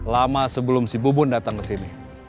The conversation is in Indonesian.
lama sebelum si bubun datang ke sini